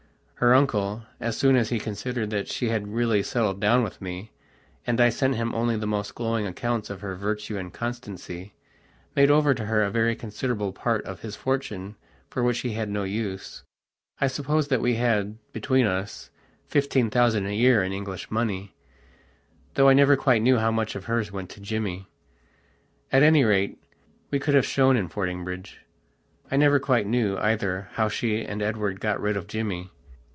Her uncle, as soon as he considered that she had really settled down with meand I sent him only the most glowing accounts of her virtue and constancymade over to her a very considerable part of his fortune for which he had no use. I suppose that we had, between us, fifteen thousand a year in English money, though I never quite knew how much of hers went to Jimmy. At any rate, we could have shone in Fordingbridge. I never quite knew, either, how she and Edward got rid of Jimmy.